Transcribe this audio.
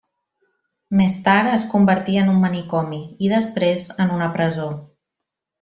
Més tard es convertí en un manicomi i després en una presó.